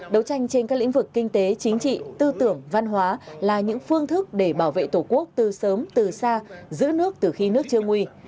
đấu tranh trên các lĩnh vực kinh tế chính trị tư tưởng văn hóa là những phương thức để bảo vệ tổ quốc từ sớm từ xa giữ nước từ khi nước chưa nguy